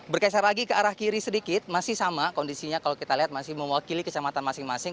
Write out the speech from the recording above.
bergeser lagi ke arah kiri sedikit masih sama kondisinya kalau kita lihat masih mewakili kecamatan masing masing